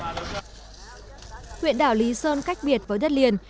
nguyện đảo lý sơn cách biệt với đất liền